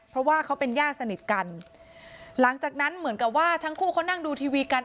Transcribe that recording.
เพราะว่าเขาเป็นญาติสนิทกันหลังจากนั้นเหมือนกับว่าทั้งคู่เขานั่งดูทีวีกัน